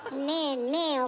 ねえねえ